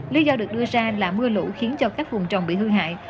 lý do được đưa ra là mưa lũ khiến cho các vùng trồng bị hư hại